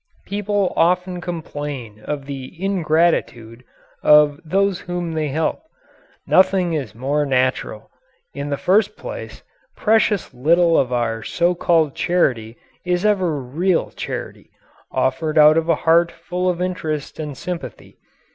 People often complain of the "ingratitude" of those whom they help. Nothing is more natural. In the first place, precious little of our so called charity is ever real charity, offered out of a heart full of interest and sympathy.